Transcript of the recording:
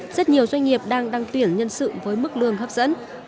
rất nhiều doanh nghiệp đang đăng tuyển nhân sự với mức lương hấp dẫn